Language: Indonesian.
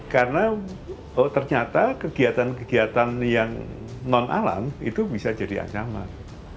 karena ternyata kegiatan kegiatan yang non alang itu bisa jadi ancaman